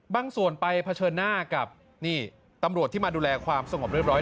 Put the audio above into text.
บางส่วนไปเผชิญหน้ากับนี่ตำรวจที่มาดูแลความสงบเรียบร้อย